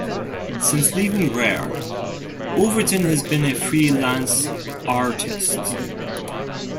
Since leaving Rare, Overton has been a freelance artist.